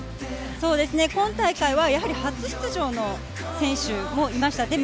今大会は初出場の選手もいました。